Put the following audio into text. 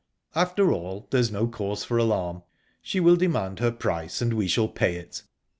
"After all, there is no cause for alarm. She will demand her price, and we shall pay it."